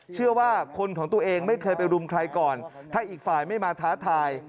เชื่อว่าคนของตัวเองไม่เคยไปรุมใครก่อนถ้าอีกฝ่ายไม่มาท้าทาย